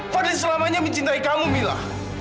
padahal selamanya mencintai kamu mila